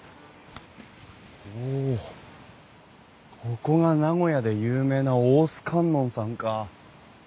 ここが名古屋で有名な大須観音さんか。